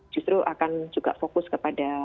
justru akan juga fokus kepada